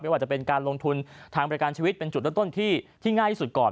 ว่าจะเป็นการลงทุนทางบริการชีวิตเป็นจุดเริ่มต้นที่ง่ายที่สุดก่อน